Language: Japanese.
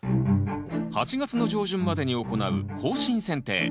８月の上旬までに行う更新剪定。